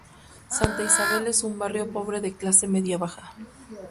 Santa Isabel es un barrio pobre de clase media baja.